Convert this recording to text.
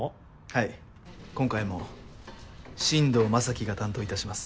はい今回も進藤将暉が担当いたします。